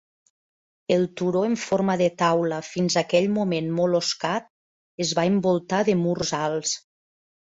El turó en forma de taula fins aquell moment molt oscat, es va envoltar de murs alts.